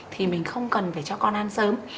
thì mình không cần phải cho con ăn sớm